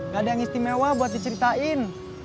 gak ada yang istimewa buat diceritain